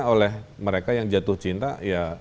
oleh mereka yang jatuh cinta ya